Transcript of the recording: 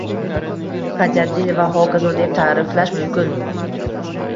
Qat’iyatli va hokazo… deb ta’riflash mumkin